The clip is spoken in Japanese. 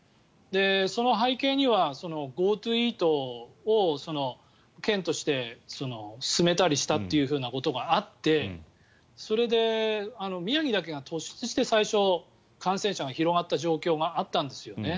その背景にはＧｏＴｏイートを県として進めたりしたというようなことがあってそれで宮城だけが突出して最初、感染者が広がった状況があったんですよね。